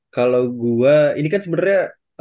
kalau gue ini kan sebenarnya